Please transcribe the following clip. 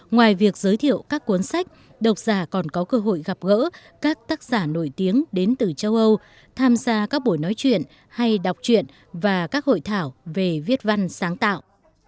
ngoài việc giới thiệu các cuốn sách độc giả còn có cơ hội gặp gỡ các tác giả nổi tiếng đến từ châu âu tham gia các buổi nói chuyện hay đọc chuyện và các hội thảo về viết văn sáng tạo